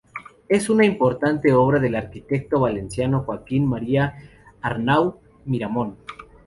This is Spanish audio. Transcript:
Es una importante obra del arquitecto valenciano Joaquín María Arnau Miramón.